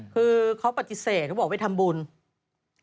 คือเขาปฏิเสธเขาบอกไปทำบุญ